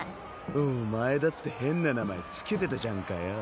お前だって変な名前付けてたじゃんかよぉ。